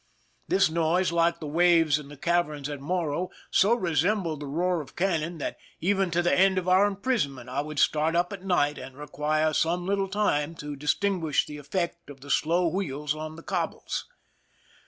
This noise, like the waves in the caverns at Morro, so resembled the roar of cannon that even to the end of our imprisonment I would start up at night and require some little time to distinguish the effect of the slow wheels on the cobbles.